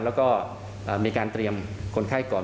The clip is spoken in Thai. แล้วก็มีการเตรียมคนไข้ก่อน